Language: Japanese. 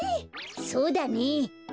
そうだね。